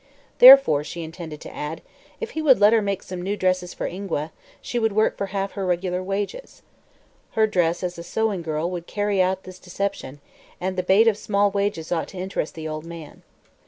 Therefore, she intended to add, if he would let her make some new dresses for Ingua, she would work for half her regular wages. Her dress as a sewing girl would carry out this deception and the bait of small wages ought to interest the old man.